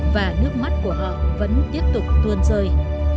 và nước mắt của họ vẫn tiếp tục tuôn rơi